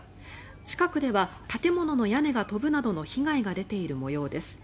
近くでは建物の屋根が飛ぶなどの被害が出ている模様です。